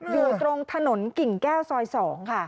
อยู่ตรงถนนกิ่งแก้วซอย๒ค่ะ